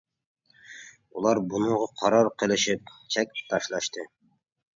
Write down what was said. ئۇلار بۇنىڭغا قارار قىلىشىپ چەك تاشلاشتى.